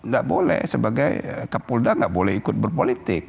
nggak boleh sebagai kapolda nggak boleh ikut berpolitik